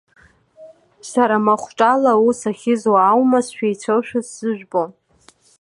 Сара махәҿала аус ахьызуа аума сшәеицәоушәа сзыжәбо?